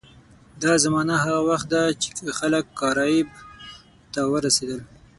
دا زمانه هغه وخت ده چې خلک کارایب ته ورسېدل.